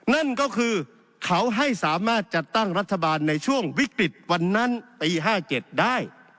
นั่นก็คือเขาให้สามารถจัดตั้งรัฐบาลในช่วงวิกฤตวันนั้นปี๕๗ได้